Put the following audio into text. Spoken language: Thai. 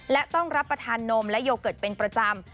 และต้องรับประทานนมและโยเกิร์ตเป็นประจำ